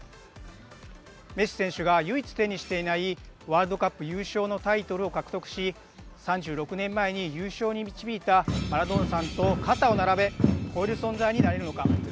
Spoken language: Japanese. メッシ選手が唯一手にしていないワールドカップ優勝のタイトルを獲得し、３６年前に優勝に導いたマラドーナさんと肩を並べ超える存在になれるのか。